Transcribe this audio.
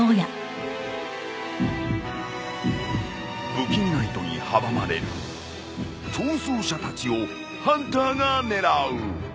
不気味な糸にはばまれる逃走者たちをハンターが狙う。